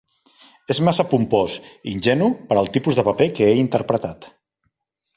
És massa pompós, ingenu, per al tipus de paper que he interpretat.